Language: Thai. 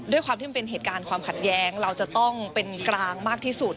ด้วยความที่มันเป็นเหตุการณ์ความขัดแย้งเราจะต้องเป็นกลางมากที่สุด